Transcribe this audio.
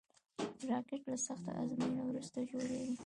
راکټ له سختو ازموینو وروسته جوړېږي